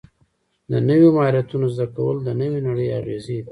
د نویو مهارتونو زده کول د نوې نړۍ اغېزې دي.